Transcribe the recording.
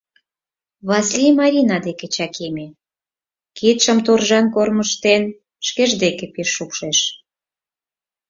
Васлий Марина деке чакеме, кидшым торжан кормыжтен, шкеж деке пеш шупшеш.